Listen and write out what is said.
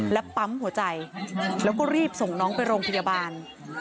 และปั๊มหัวใจแล้วก็รีบส่งน้องไปโรงพยาบาล